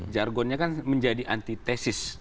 jargonnya kan menjadi antitesis